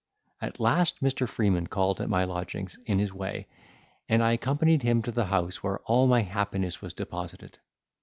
At last Mr. Freeman called at my lodgings in his way, and I accompanied him to the house where all my happiness was deposited.